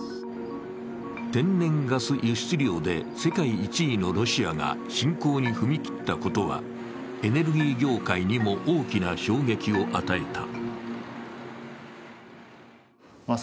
天然ガス輸出量で世界１位のロシアが侵攻に踏み切ったことはエネルギー業界にも大きな衝撃を与えた。